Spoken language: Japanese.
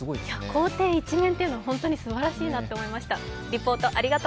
校庭一面というのはすばらしいなと思いました。